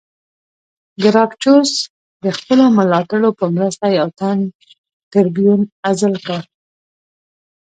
ګراکچوس د خپلو ملاتړو په مرسته یو تن ټربیون عزل کړ